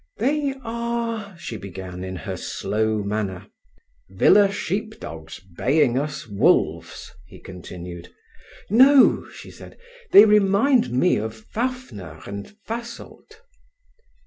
"They are—" she began, in her slow manner. "Villa sheep dogs baying us wolves," he continued. "No," she said, "they remind me of Fafner and Fasolt."